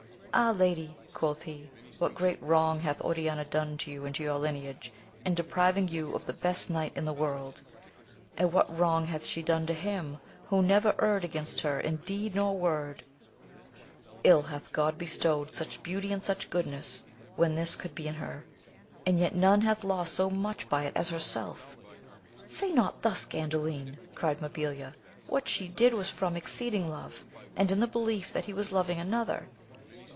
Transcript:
Ah, lady, quoth he, what great wrong hath Oriana done to you and to your lineage, in depriving you of the best knight in the world 1 and what wrong hath she done to him, who never erred against her in deed nor word ! Ill hath God bestowed such beauty and such goodness, when this could be in her ! and yet none hath lost so much by it as herself ! Say not thus, Gandalin ! cried Mabilia, what she did was from exceeding love, and in the belief that he was loving another.